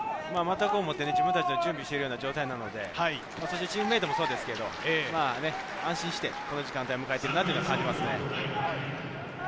自分たちで準備しているような状態なのでチームメートもそうですけど、安心してこの時間帯を迎えている感じがしますね。